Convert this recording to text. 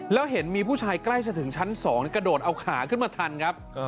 แล้วเห็นมีผู้ชายใกล้จะถึงชั้น๒กระโดดเอาขาขึ้นมาทันครับ